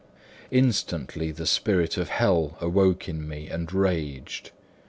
Instantly the spirit of hell awoke in me and raged.